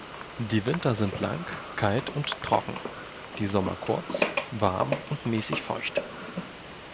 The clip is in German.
Die Winter sind lang, kalt und trocken, die Sommer kurz, warm und mäßig feucht.